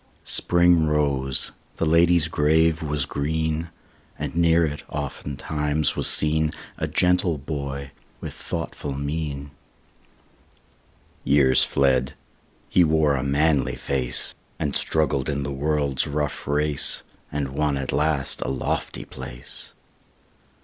Spring rose; the lady's grave was green; And near it, oftentimes, was seen A gentle boy with thoughtful mien. Years fled; he wore a manly face, And struggled in the world's rough race, And won at last a lofty place.